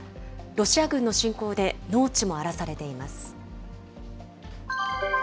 ロシア軍の侵攻で農地も荒らされています。